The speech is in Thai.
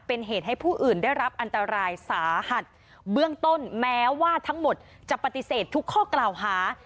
เป็นเหตุให้ผู้อื่นได้รับอันตรายสาหัสเบื้องต้นแม้ว่าทั้งหมดจะปฏิเสธทุกข้อกล่าวหา